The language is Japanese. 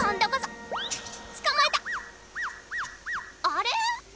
あれ？